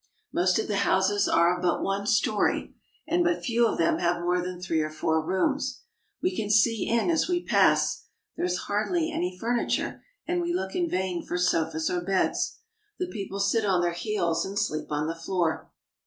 Most of the houses are of but one story, and but few of them have more than three or four rooms. We can see in as we pass. There is hardly any furniture, and we look in vain for sofas or beds. The people sit on their heels and sleep on the floor.